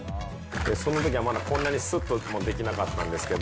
そのときは、まだこんなにすっとできなかったんですけど。